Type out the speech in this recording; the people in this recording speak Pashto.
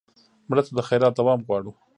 مړه ته د خیرات دوام غواړو